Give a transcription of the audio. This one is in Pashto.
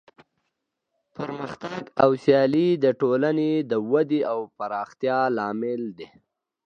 پرمختګ او سیالي د ټولنې د ودې او پرمختیا لامل دی.